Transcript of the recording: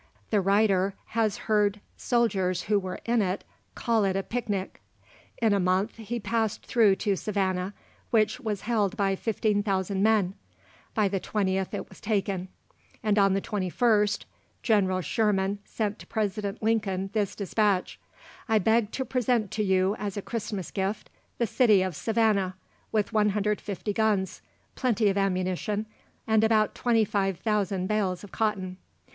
The writer has heard soldiers who were in it call it a picnic. In a month he passed through to Savannah, which was held by 15,000 men; by the 20th it was taken; and on the 21st General Sherman sent to President Lincoln this despatch, "I beg to present to you as a Christmas gift the city of Savannah, with 150 guns, plenty of ammunition, and about 25,000 bales of cotton."